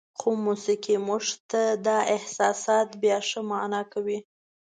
خو موسیقي موږ ته دا احساسات بیا ښه معنا کوي.